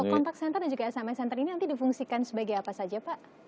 contact center dan juga sms center ini nanti difungsikan sebagai apa saja pak